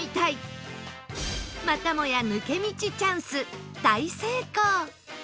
またもや抜け道チャンス大成功